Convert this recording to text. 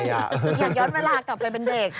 อยากย้อนเวลากลับไปเป็นเด็ก